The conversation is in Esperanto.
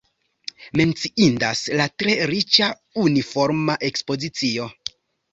Menciindas la tre riĉa uniforma ekspozicio.